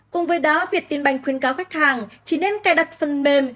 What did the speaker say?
cùng với đó việt tìm bành khuyến cáo khách hàng chỉ nên cài đặt phần mềm